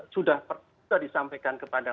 sudah disampaikan kepada